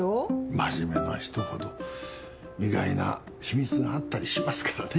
まじめな人ほど意外な秘密があったりしますからね。